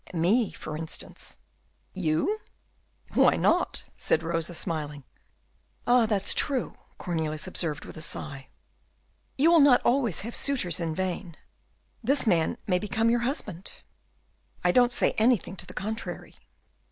"Me, for instance." "You?" "Why not?" said Rosa, smiling. "Ah, that's true," Cornelius observed, with a sigh. "You will not always have suitors in vain; this man may become your husband." "I don't say anything to the contrary."